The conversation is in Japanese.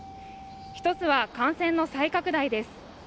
１つは感染の再拡大です